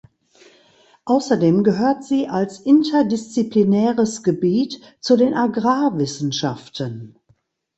Außerdem gehört sie als interdisziplinäres Gebiet zu den Agrarwissenschaften.